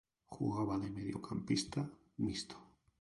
Jugaba de mediocampista mixto.